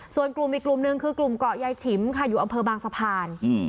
ส่วนกลุ่มอีกกลุ่มนึงคือกลุ่มเกาะยายฉิมค่ะอยู่อำเภอบางสะพาน